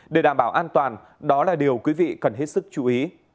để đảm bảo an toàn đó là điều quý vị cần hết sức chú ý